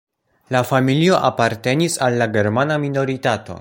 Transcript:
Lia familio apartenis al la germana minoritato.